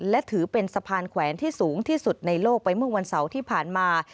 และถือเป็นสะพานแขวนที่สูงที่สุดในโลกไปเมื่อวันเสาร์ที่ผ่านมา